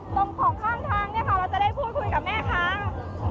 ตรงของข้างทางเนี่ยค่ะเราจะได้พูดคุยกับแม่ค้า